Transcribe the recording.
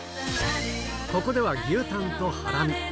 ここでは牛タンとハラミ。